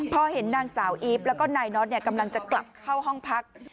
พอเห็นนางสาวอีฟแล้วก็นายน็อตกำลังจะกลับเข้าห้องพัก